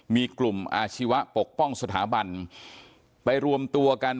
มีกลุ่มอาชีวะปกป้องสถาบันไปรวมตัวกัน